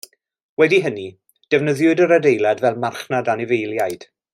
Wedi hynny, defnyddiwyd yr adeilad fel marchnad anifeiliaid.